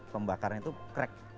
pembakarannya itu crack